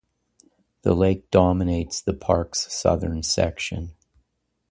The lake dominates the park's southern section.